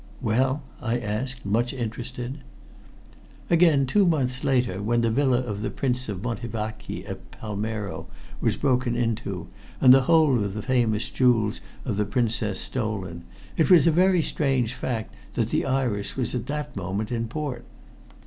"Well?" I asked, much interested. "Again, two months later, when the villa of the Prince of Montevachi, at Palmero, was broken into and the whole of the famous jewels of the Princess stolen, it was a very strange fact that the Iris was at the moment in that port.